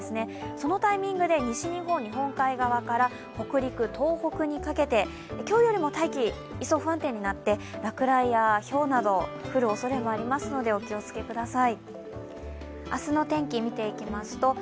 そのタイミングで西日本、日本海側から北陸、東北にかけて、今日よりも大気、一層不安定になって落雷やひょうなどが降るおそれがありますので、お気をつけください。